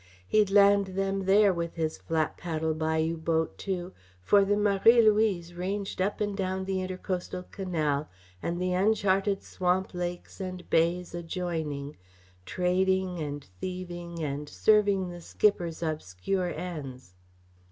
He'd land them there with his flap paddle bayou boat, too, for the Marie Louise ranged up and down the Inter coastal Canal and the uncharted swamp lakes and bays adjoining, trading and thieving and serving the skipper's obscure ends.